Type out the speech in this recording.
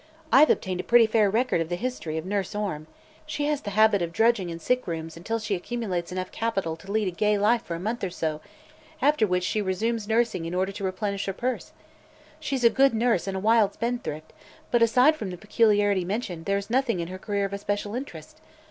I've obtained a pretty fair record of the history of nurse Orme. She has the habit of drudging in sick rooms until she accumulates enough capital to lead a gay life for a month or so, after which she resumes nursing in order to replenish her purse. She's a good nurse and a wild spendthrift, but aside from the peculiarity mentioned there's nothing in her career of especial interest.